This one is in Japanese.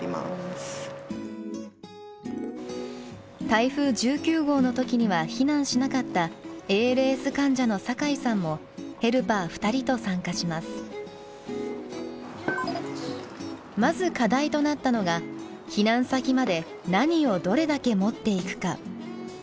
台風１９号の時には避難しなかったＡＬＳ患者の酒井さんもまず課題となったのが避難先まで何をどれだけ持っていくか。